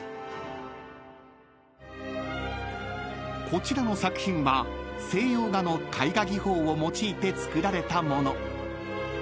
［こちらの作品は西洋画の絵画技法を用いて作られた物］